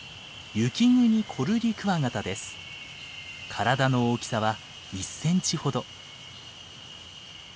体の大きさは１センチほど。